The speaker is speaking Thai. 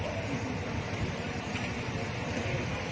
ถ้าไม่ได้ขออนุญาตมันคือจะมีโทษ